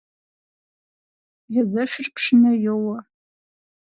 Езэшыр пшынэ йоуэ.